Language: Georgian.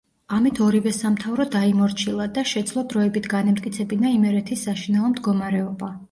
ამით ორივე სამთავრო დაიმორჩილა და შეძლო დროებით განემტკიცებინა იმერეთის საშინაო მდგომარეობა.